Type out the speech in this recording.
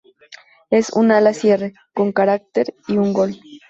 Es un ala-cierre con carácter y con gol.